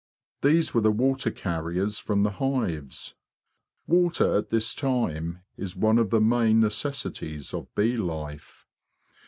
These were the water carriers from the hives. Water at this time is one of the main necessities of bee life.